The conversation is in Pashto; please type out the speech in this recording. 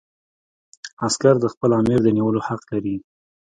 عسکر د خپل آمر د نیولو حق لري.